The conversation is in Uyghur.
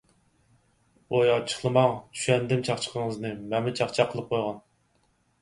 ۋوي ئاچچىقلىماڭ. چۈشەندىم چاقچىقىڭىزنى، مەنمۇ چاقچاق قىلىپ قويغان.